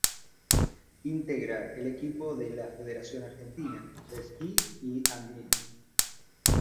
Integra el equipo de la Federación Argentina de Ski y Andinismo.